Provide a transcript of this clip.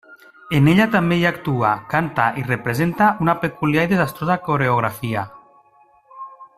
En ella també hi actua, canta, i representa una peculiar i desastrosa coreografia.